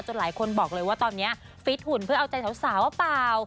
หลายคนบอกเลยว่าตอนนี้ฟิตหุ่นเพื่อเอาใจสาวว่าเปล่า